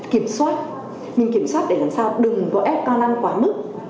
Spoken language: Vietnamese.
kiểm soát mình kiểm soát để làm sao đừng có ép ca ăn quá mức